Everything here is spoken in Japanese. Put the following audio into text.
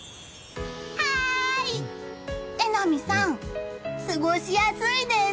榎並さん、過ごしやすいです！